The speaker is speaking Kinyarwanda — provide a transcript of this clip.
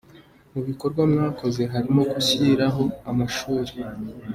Mu bikorwa mwakoze harimo gushyiraho amashuri.